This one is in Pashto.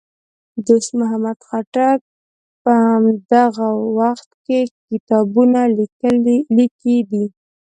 دوست محمد خټک په همدغه وخت کې کتابونه لیکي دي.